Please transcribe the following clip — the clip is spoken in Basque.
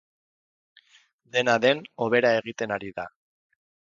Dena den, hobera egiten ari da.